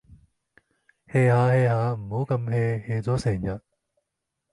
hea 吓 hea 吓，唔好咁 hea，hea 咗成日